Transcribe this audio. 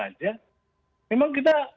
saja memang kita